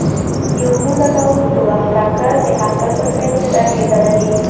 د اوبو لګولو د وخت ټاکل د حاصل پر کیفیت اغیزه لري.